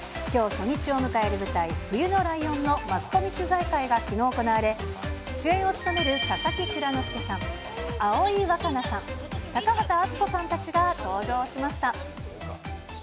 きょう、初日を迎える舞台、冬のライオンのマスコミ取材会がきのう行われ、主演を務める佐々木蔵之介さん、葵わかなさん、高畑淳子さんたちが登場しました。